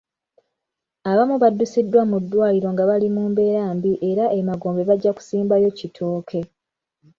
Abamu baddusiddwa mu ddwaliro nga bali mu mbeera mbi era e Magombe bajja kusimbayo kitooke.